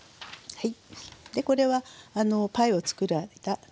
はい。